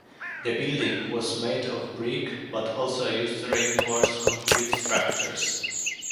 The building was made of brick but also used reinforced concrete structures.